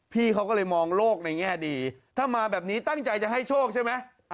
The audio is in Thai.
พี่เขาก็เลยมองโลกในแง่ดีถ้ามาแบบนี้ตั้งใจจะให้โชคใช่ไหม